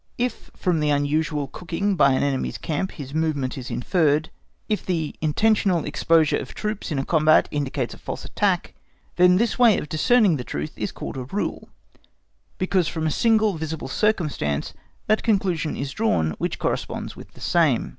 If from the unusual cooking by an enemy's camp his movement is inferred, if the intentional exposure of troops in a combat indicates a false attack, then this way of discerning the truth is called rule, because from a single visible circumstance that conclusion is drawn which corresponds with the same.